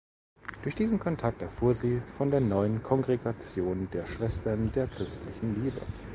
Durch diesen Kontakt erfuhr sie von der neuen Kongregation der Schwestern der Christlichen Liebe.